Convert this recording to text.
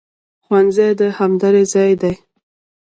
ښوونځی د همدرۍ ځای دی